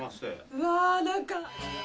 うわ何か。